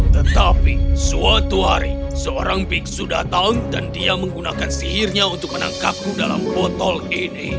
tetapi suatu hari seorang biksu datang dan dia menggunakan sihirnya untuk menangkapku dalam botol ini